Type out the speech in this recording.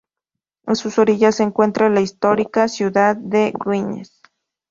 A sus orillas se encuentra la histórica ciudad de Güines.